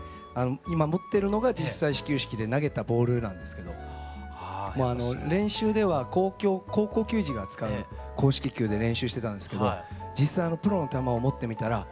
今持ってるのが実際始球式で投げたボールなんですけど練習では高校球児が使う硬式球で練習してたんですけど実際プロの球を持ってみたら質が違いました。